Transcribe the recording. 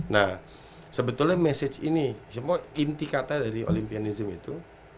nah sebetulnya mesej ini inti kata dari olimpianism itu